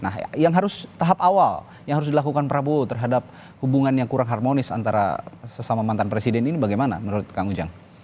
nah yang harus tahap awal yang harus dilakukan prabowo terhadap hubungan yang kurang harmonis antara sesama mantan presiden ini bagaimana menurut kang ujang